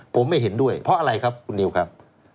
ผมไม่เห็นด้วยเพราะอะไรครับคุณนิวครับ